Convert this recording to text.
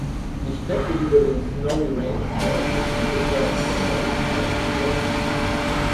Die Strecke über den "Snowy Range Pass" ist im Winter (November–Mai) geschlossen.